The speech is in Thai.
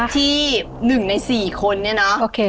ที่๑ใน๔คนเนี่ยเนาะ